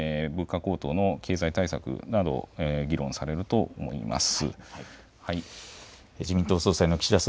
秋には臨時国会物価高騰の経済対策などを議論されると思います。